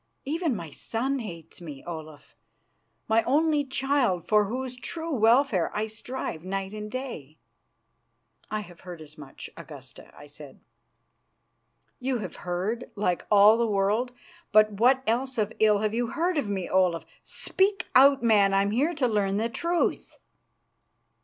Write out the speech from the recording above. Even my son hates me, Olaf, my only child for whose true welfare I strive night and day." "I have heard as much, Augusta," I said. "You have heard, like all the world. But what else of ill have you heard of me, Olaf? Speak out, man; I'm here to learn the truth."